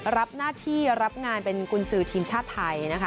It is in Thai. รับหน้าที่รับงานเป็นกุญสือทีมชาติไทยนะคะ